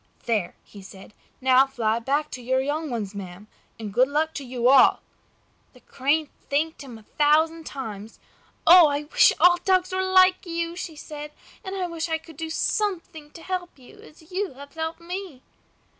"There!" he said. "Now fly back to your young ones, ma'am, and good luck to you all!" The Crane thanked him a thousand times. "I wish all dogs were like you!" she said. "And I wish I could do something to help you, as you have helped me."